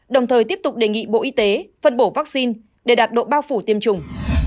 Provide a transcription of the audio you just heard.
đồng thời tiếp tục đề nghị bộ y tế phân bổ vaccine để đạt độ bao phủ tiêm chủng